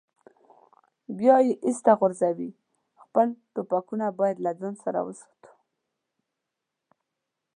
بیا یې ایسته غورځوي، خپل ټوپکونه باید له ځان سره وساتي.